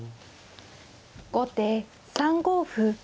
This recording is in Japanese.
後手３五歩。